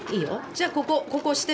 じゃあここ押して。